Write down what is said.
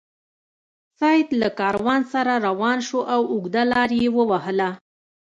سید له کاروان سره روان شو او اوږده لار یې ووهله.